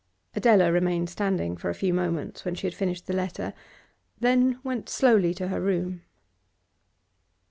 Adela remained standing for a few moments when she had finished the letter, then went slowly to her room.